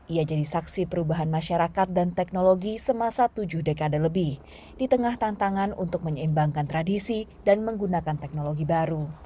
ia jadi saksi perubahan masyarakat dan teknologi semasa tujuh dekade lebih di tengah tantangan untuk menyeimbangkan tradisi dan menggunakan teknologi baru